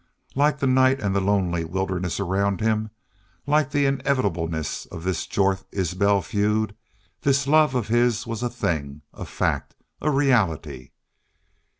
Like the night and the lonely wilderness around him, like the inevitableness of this Jorth Isbel feud, this love of his was a thing, a fact, a reality.